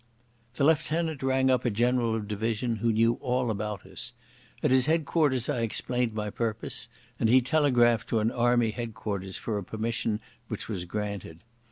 The lieutenant rang up a General of Division who knew all about us. At his headquarters I explained my purpose, and he telegraphed to an Army Headquarters for a permission which was granted.